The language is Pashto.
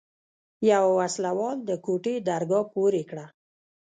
يوه وسله وال د کوټې درګاه پورې کړه.